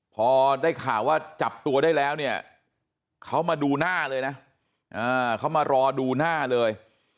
พอได้ข่าวว่าจับตัวได้แล้วเนี่ยเขามาดูหน้าเลยนะเขามารอดูหน้าเลย